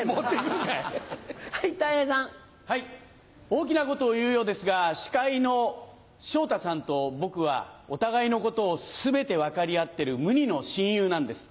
大きなことを言うようですが司会の昇太さんと僕はお互いのことを全て分かり合ってる無二の親友なんです。